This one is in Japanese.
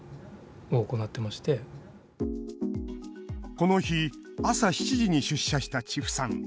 この日、朝７時に出社した千布さん。